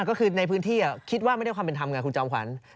ก็คือในพื้นที่คิดว่าไม่ได้ความเป็นธรรมไงคุณจอมขวัญ